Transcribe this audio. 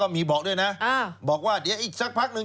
มีบอกด้วยนะบอกว่าเดี๋ยวอีกสักพักนึง